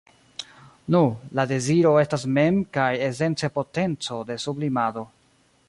Nu, la deziro estas mem kaj esence potenco de sublimado.